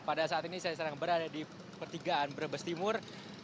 pada saat ini saya sedang berada di pertigaan brebes timur